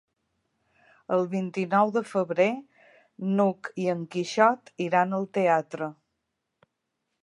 El vint-i-nou de febrer n'Hug i en Quixot iran al teatre.